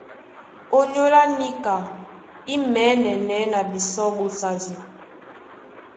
Ónyólá níka í mɛ̌nɛ́nɛ́ na bisɔ́ ɓosadi.